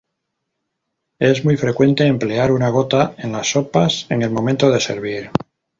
Es muy frecuente emplear una gota en las sopas en el momento de servir.